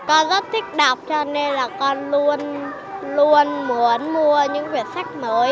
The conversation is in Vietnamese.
con rất thích đọc cho nên là con luôn muốn mua những quyển sách mới